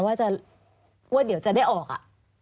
ว่าเดี๋ยวจะได้ออกอ่ะ